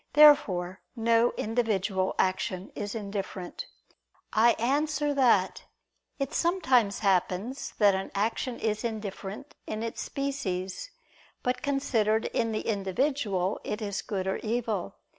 Therefore no individual action is indifferent. I answer that, It sometimes happens that an action is indifferent in its species, but considered in the individual it is good or evil.